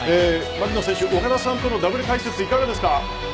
槙野選手、岡田さんとのダブル解説いかがですか。